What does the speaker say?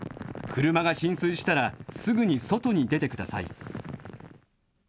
車が浸水したら、すぐに外に出てください。